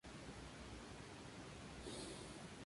Su hijo mayor, Jeremy es fruto de una relación anterior.